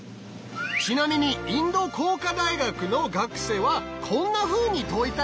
ちなみにインド工科大学の学生はこんなふうに解いたよ。